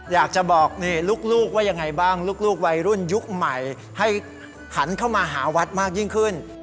อยากจะบอกนี่ลูกว่ายังไงบ้างลูกวัยรุ่นยุคใหม่ให้หันเข้ามาหาวัดมากยิ่งขึ้น